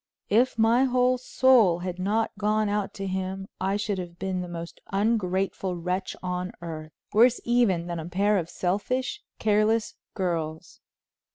If my whole soul had not gone out to him I should have been the most ungrateful wretch on earth; worse even than a pair of selfish, careless girls.